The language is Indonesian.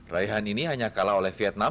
raihan ini hanya kalah oleh vietnam